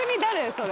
それ。